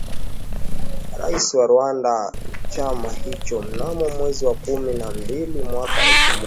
kuwa Rais wa chama hicho Mnamo mwezi wa kumi na mbili mwaka elfu moja